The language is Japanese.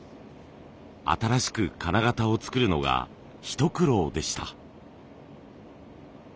新しく金型を作るのが一苦労でした。